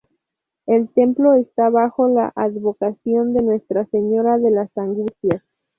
El templo está bajo la advocación de Nuestra Señora de las Angustias.